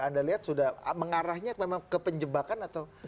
anda lihat sudah mengarahnya memang ke penjebakan atau